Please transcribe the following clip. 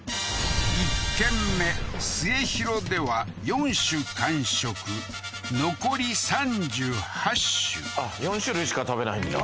１軒目末広では４種完食残り３８種４種類しか食べないんだ